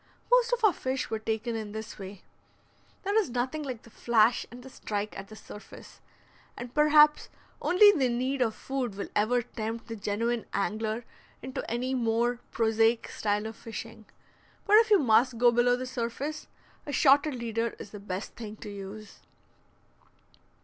Most of our fish were taken in this way. There is nothing like the flash and the strike at the surface, and perhaps only the need of food will ever tempt the genuine angler into any more prosaic style of fishing; but if you must go below the surface, a shotted leader is the best thing to use.